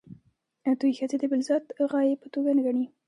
دوی ښځې د بالذات غایې په توګه نه ګڼي.